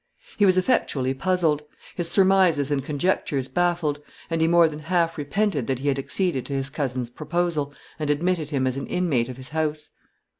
He was effectually puzzled; his surmises and conjectures baffled; and he more than half repented that he had acceded to his cousin's proposal, and admitted him as an inmate of his house.